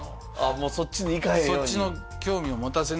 もうそっちに行かへんように？